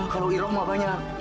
kalau iroh mah banyak